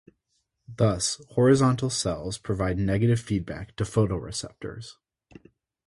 Thus, horizontal cells provide negative feedback to photoreceptors.